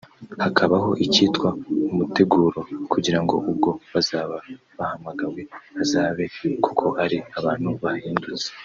hakabaho icyitwa “umuteguro” kugira ngo ubwo bazaba bahamagawe bazabe koko ari abantu bahindutse